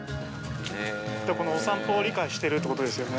このお散歩を理解してるってことですよね。